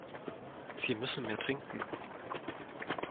Sie müssen mehr trinken.